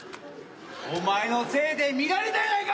お前のせいで見られたやないか！